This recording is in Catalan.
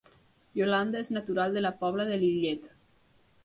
Yolanda és natural de la Pobla de Lillet